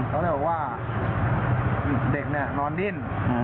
เขาเลยบอกว่าเด็กเนี่ยนอนดิ้น